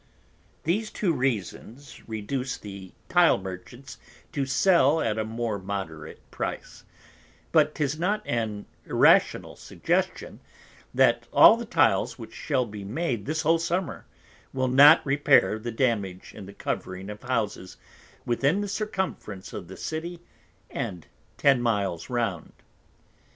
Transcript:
These two Reasons reduc'd the Tile Merchants to sell at a more moderate Price: But 'tis not an irrational Suggestion, that all the Tiles which shall be made this whole Summer, will not repair the Damage in the covering of Houses within the Circumference of the City, and Ten Miles round.